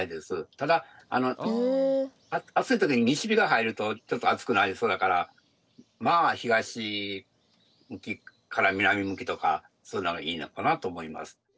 ただ暑い時に西日が入るとちょっと暑くなりそうだからまあ東向きから南向きとかそういうのがいいのかなと思います。